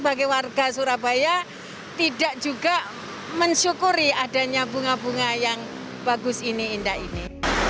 jadi warga surabaya tidak juga mensyukuri adanya bunga bunga yang bagus ini indah ini